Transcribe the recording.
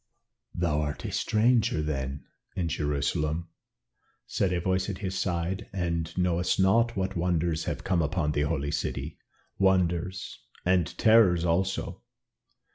"Thou art a stranger, then, in Jerusalem," said a voice at his side, "and knowest not what wonders have come upon the Holy City wonders and terrors also."